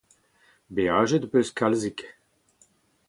Beajet ho peus kalzik.